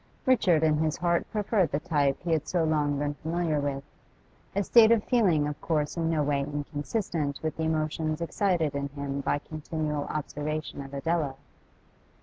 Richard in his heart preferred the type he had 80 long been familiar with; a state of feeling of course in no way inconsistent with the emotions excited in him by continual observation of Adela.